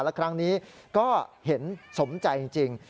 และครั้งนี้ก็เห็นสมใจจริง